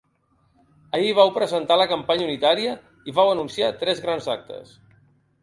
Ahir vau presentar la campanya unitària i vau anunciar tres grans actes.